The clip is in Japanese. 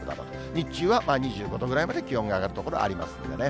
日中は２５度ぐらいまで気温が上がる所ありますんでね。